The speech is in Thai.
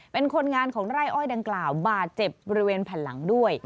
เป็นคนงานของไร่อ้อยดังกล่าวบาดเจ็บบริเวณแผ่นหลังด้วย